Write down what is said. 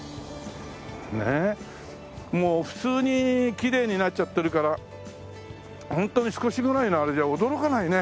もう普通にきれいになっちゃってるからホントに少しぐらいのあれじゃ驚かないね。